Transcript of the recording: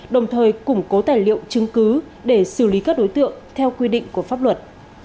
đồng thời củng cố tài liệu chứng cứ để xử lý các đối tượng theo quy định của pháp luật